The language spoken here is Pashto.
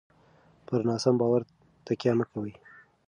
پر ناسم باور تکیه مه کوئ.